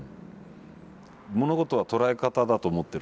物事は捉え方だと思ってるので。